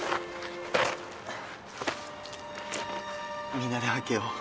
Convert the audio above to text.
みんなで分けよう。